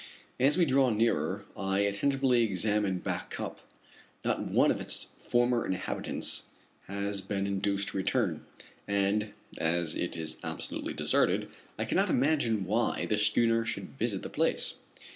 As we draw nearer, I attentively examine Back Cup. Not one of its former inhabitants has been induced to return, and, as it is absolutely deserted, I cannot imagine why the schooner should visit the place.